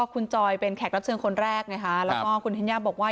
คุณจอยเป็นแขกรับเชืองคนแรกและคุณธัญญาบอกว่า